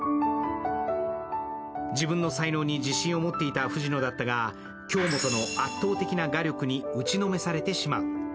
自分の才能に自信を持っていた藤野だったが、京本の圧倒的な画力に打ちのめされてしまう。